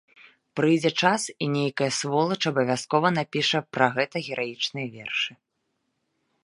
Прыйдзе час і нейкая сволач абавязкова напіша пра гэта гераічныя вершы.